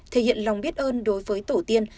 thể hiện lòng biết ơn đối với tổ tiên